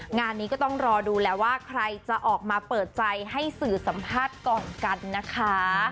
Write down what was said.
งานนี้ก็ต้องรอดูแล้วว่าใครจะออกมาเปิดใจให้สื่อสัมภาษณ์ก่อนกันนะคะ